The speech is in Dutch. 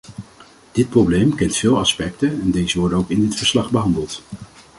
Dit probleem kent veel aspecten en deze worden ook in dit verslag behandeld.